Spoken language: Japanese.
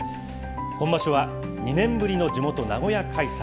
今場所は、２年ぶりの地元、名古屋開催。